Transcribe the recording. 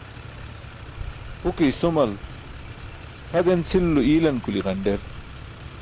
Huke i̇sumal tʰa den cʰilulo i̇ilan kuli̇ ġanḍer